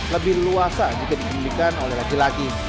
lebih luasa jika dikemudikan oleh laki laki